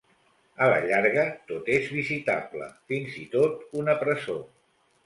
A la llarga tot és visitable, fins i tot una presó.